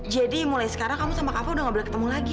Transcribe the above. jadi mulai sekarang kamu sama kava udah nggak boleh ketemu lagi